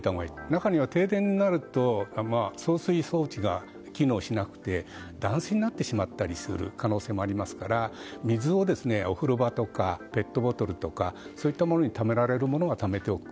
中には、停電になると送水装置が機能しなくて断水になってしまったりする可能性もありますから水をお風呂場とかペットボトルとかそういったものにためられるものはためておく。